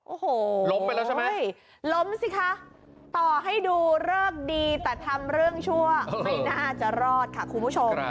โอ้โหล้มไปแล้วใช่ไหมใช่ล้มสิคะต่อให้ดูเลิกดีแต่ทำเรื่องชั่วไม่น่าจะรอดค่ะคุณผู้ชม